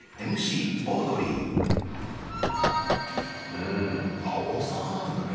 うんあ大阪なんだね。